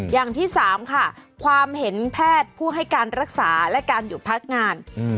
อย่างที่๓ค่ะความเห็นแพทย์ผู้ให้การรักษาและการหยุดพักงาน